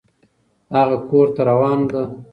هغه کور ته روان ده